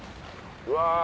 うわ。